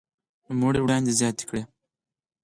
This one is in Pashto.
نوموړي وړاندې زياته کړې